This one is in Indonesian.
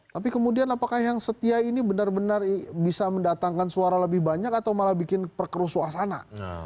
tapi kemudian apakah yang setia ini benar benar bisa mendatangkan suara lebih banyak atau malah bikin perkeru suasana